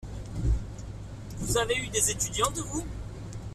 Vous avez eu des étudiantes vous?